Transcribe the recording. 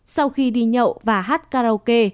sau khi đi nhậu và hát karaoke